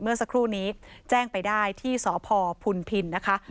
เมื่อสักครู่นี้แจ้งไปได้ที่สพพุนพินนะคะ